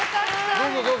どうぞどうぞ。